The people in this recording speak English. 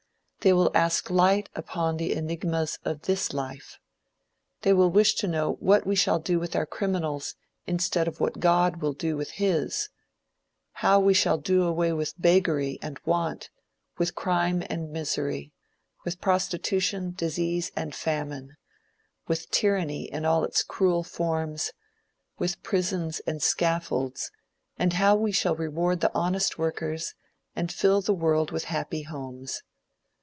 They will ask light upon the enigmas of this life. They will wish to know what we shall do with our criminals instead of what God will do with his how we shall do away with beggary and want with crime and misery with prostitution, disease and famine, with tyranny in all its cruel forms with prisons and scaffolds, and how we shall reward the honest workers, and fill the world with happy homes!